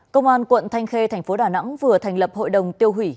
công an quận thanh khê thành phố đà nẵng vừa thành lập hội đồng tiêu hủy